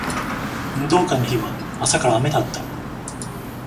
運動会の日は朝から雨だった